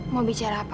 mau bicara apa